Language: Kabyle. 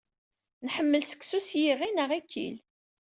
Nḥemmel seksu s yiɣi neɣ ikkil.